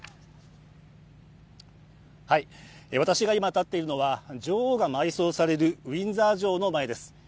私が今立っているのは女王が埋葬されるウィンザー城の前です。